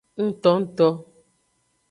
Ngtongto.